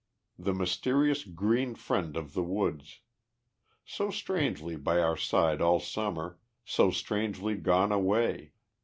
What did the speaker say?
The mysterious Green Friend of the woods! So strangely by our side all Summer, so strangely gone away.